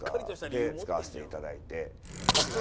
で使わせていただいて。